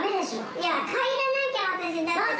いや、帰らなきゃ、私だって。